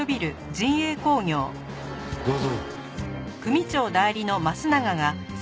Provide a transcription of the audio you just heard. どうぞ。